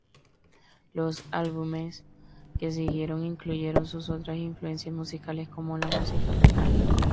Los álbumes que siguieron incluyeron sus otras influencias musicales, como la música africana.